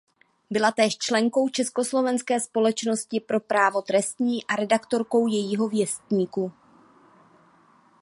Byla též členkou Československé společnosti pro právo trestní a redaktorkou jejího věstníku.